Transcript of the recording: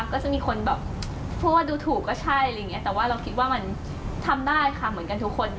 ก็จะมีคนแบบพูดว่าดูถูกก็ใช่อะไรอย่างเงี้แต่ว่าเราคิดว่ามันทำได้ค่ะเหมือนกันทุกคน